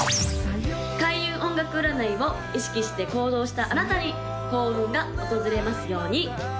開運音楽占いを意識して行動したあなたに幸運が訪れますように！